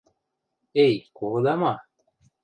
Эй, колыда ма?